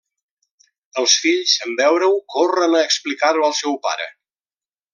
Els fills, en veure-ho corren a explicar-ho al seu pare.